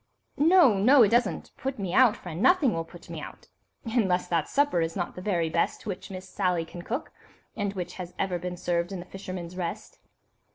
"No, no, it doesn't put me out, friend; nothing will put me out, unless that supper is not the very best which Miss Sally can cook, and which has ever been served in 'The Fisherman's Rest.